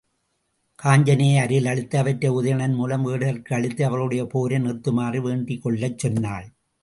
காஞ்சனையை அருகிலழைத்து அவற்றை உதயணன் மூலம் வேடர்கட்கு அளித்து அவர்களுடைய போரை நிறுத்துமாறு வேண்டிக்கொள்ளச் சொன்னாள்.